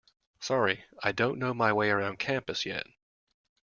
Sorry, I don't know my way around campus yet.